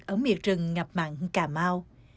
ở miệt rừng ngập mặn cà mau